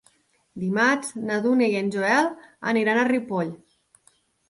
Dimarts na Dúnia i en Joel aniran a Ripoll.